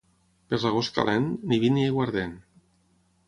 Per l'agost calent, ni vi ni aiguardent.